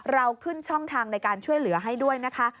เราขึ้นช่องทางในการช่วยเหลือให้ด้วยนะคะ